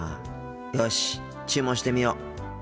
よし注文してみよう。